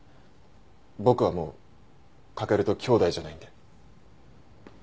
僕はもう駆と兄弟じゃないんで。